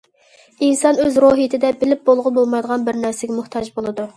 .. ئىنسان ئۆز روھىيىتىدە بىلىپ بولغىلى بولمايدىغان بىر نەرسىگە موھتاج بولىدۇ.